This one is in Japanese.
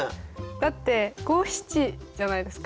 だって五七じゃないですか。